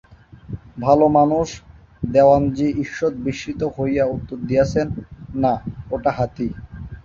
ভালোমানুষ দেওয়ানজি ঈষৎ বিস্মিত হইয়া উত্তর দিয়াছেন, না, ওটা হাতি।